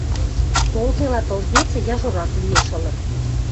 Толделат ылгецӹ, яжорак лиэш ылын.